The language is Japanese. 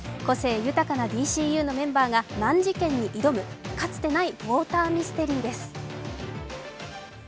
個性豊かなＤＣＵのメンバーが難事件に挑むかつてないウォーターミステリーです。